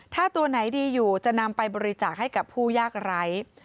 ถ้าตัวไหนดีอยู่จะนำไปบริจาคให้กับผู้ยากไร้